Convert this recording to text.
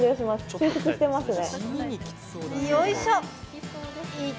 収縮してますね。